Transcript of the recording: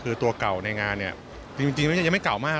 คือตัวเก่าในงานจริงมันยังไม่เก่ามาก